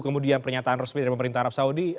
kemudian pernyataan resmi dari pemerintah arab saudi